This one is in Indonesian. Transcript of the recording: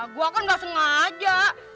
gua kan gak sengaja